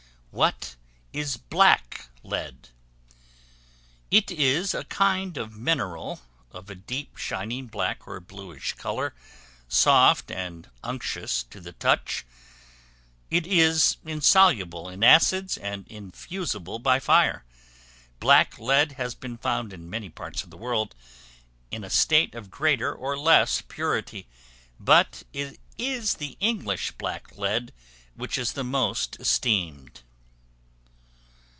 What is Black Lead? It is a kind of mineral, of a deep shining black or bluish color, soft and unctuous to the touch; it is insoluble in acids, and infusible by fire. Black lead has been found in many parts of the world, in a state of greater or less purity, but it is the English black lead which is the most esteemed.